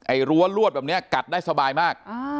รั้วลวดแบบนี้กัดได้สบายมาก